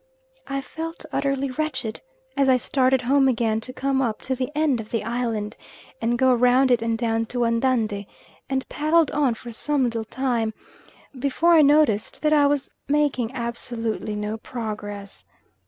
I felt utterly wretched as I started home again to come up to the end of the island, and go round it and down to Andande; and paddled on for some little time, before I noticed that I was making absolutely no progress.